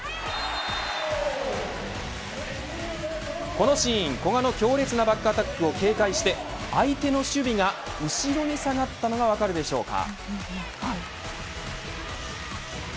このシーン、古賀の強烈なバックアタックを警戒して相手の守備が後ろに下がったのが分かるでしょうか。